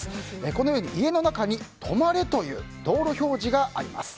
このように家の中に「止マレ」というという道路標示があります。